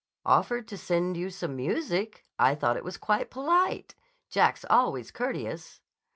"Offered to send you some music. I thought it was quite polite. Jack's always courteous."